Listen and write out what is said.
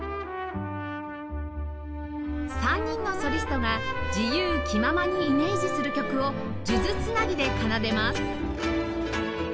３人のソリストが自由気ままにイメージする曲を数珠繋ぎで奏でます